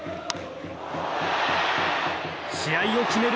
試合を決める